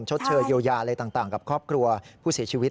ชดเชยเยียวยาอะไรต่างกับครอบครัวผู้เสียชีวิต